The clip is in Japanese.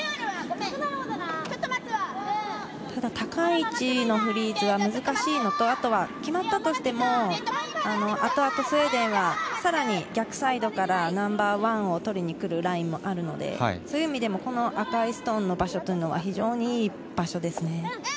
ただ高い位置のフリーズは難しいのと、決まったとしてもあとあとスウェーデンがさらに逆サイドからナンバーワンを取りに来るラインもあるので、そういう意味でも赤いストーンの場所は非常に良い場所ですね。